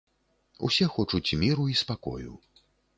Усе хочуць міру і спакою.